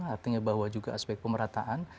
artinya bahwa juga aspek pemerataan